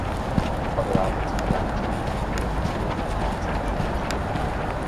Other outlets have ranked it in the middle tier of halftime shows.